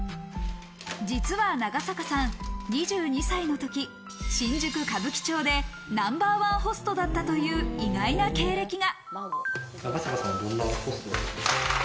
実は長坂さん、２２歳のとき、新宿・歌舞伎町でナンバーワンホストだったという意外な経歴が。